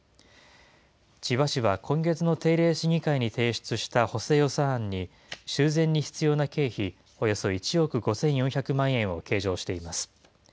千葉市は今月の定例市議会に提出した補正予算案に、修繕に必要な経費、およそ１億５４００万円を計上しています。